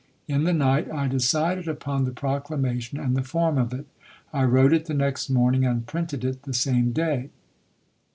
In the night I decided upon the proc lamation and the form of it. I wi ote it the next morning and printed it the same day.